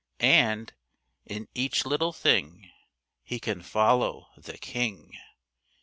And in each little thing He can follow The King.